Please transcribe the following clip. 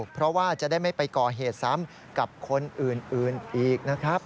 เพราะว่าจะได้ไม่ไปก่อเหตุซ้ำกับคนอื่นอีกนะครับ